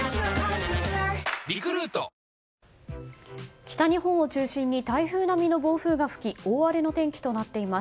北日本を中心に台風並みの暴風が吹き大荒れの天気となっています。